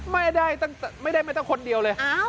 ไม่ได้ตั้งแต่ไม่ได้ไม่ตั้งคนเดียวเลยเอ้า